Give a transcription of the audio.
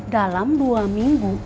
dalam dua minggu